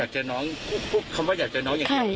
ใช่ใช่